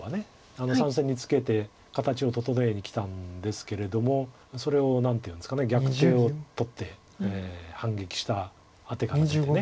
３線にツケて形を整えにきたんですけれどもそれを何ていうんですか逆手を取って反撃したアテから出て。